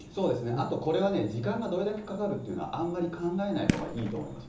あと、これは時間がどれだけかかるというのはあまり考えないほうがいいと思います。